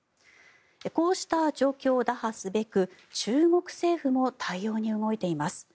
こうした状況を打破すべく中国政府も対応に動いています。